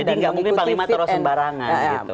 jadi enggak mungkin pak limah taruh sembarangan gitu